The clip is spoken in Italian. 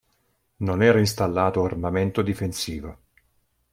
Non era installato armamento difensivo.